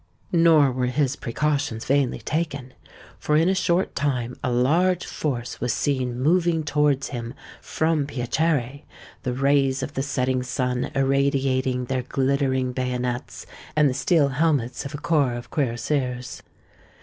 Nor were his precautions vainly taken; for in a short time a large force was seen moving towards him from Piacere, the rays of the setting sun irradiating their glittering bayonets and the steel helmets of a corps of cuirassiers.